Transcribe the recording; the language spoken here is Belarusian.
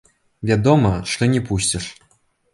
Вядома, што не пусціш.